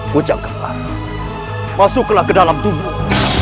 pucang kembar masuklah ke dalam tubuh